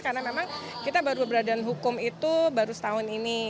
karena memang kita baru beradaan hukum itu baru setahun ini